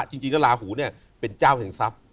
จริงแล้วลาหูเนี่ยเป็นเจ้าแห่งทรัพย์